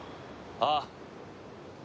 ああ。